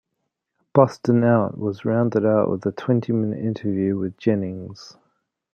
"Bustin' Out" was rounded out with a twenty-minute interview with Jennings.